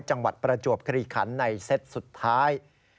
จังหวัดประจวบคลีขันในเซ็ตสุดท้าย